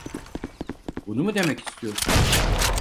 Bunu mu demek istiyorsun?